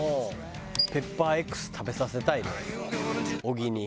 ペッパーＸ食べさせたいね小木に。